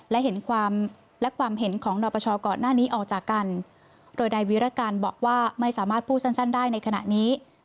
และเห็นความและความเห็นของนปชก่อนหน้านี้ออกจากกันโดยนายวิรการบอกว่าไม่สามารถพูดสั้นได้ในขณะนี้